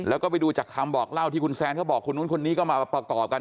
แล้วก็ไปดูจากคำบอกเล่าที่คุณแซนเขาบอกคนนู้นคนนี้ก็มาประกอบกัน